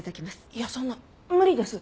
いやそんな無理です。